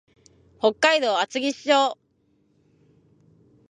北海道厚岸町